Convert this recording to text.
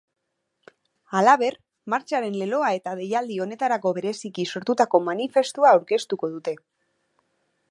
Halaber, martxaren leloa eta deialdi honetarako bereziki sortutako manifestua aurkeztuko dute.